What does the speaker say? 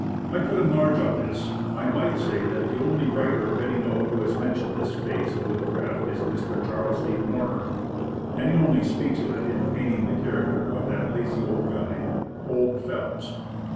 I could enlarge on this. I might say that the only writer of any note who has mentioned this phase of woodcraft is Mr. Charles D. Warner; and he only speaks of it in painting the character of that lazy old guide, "Old Phelps."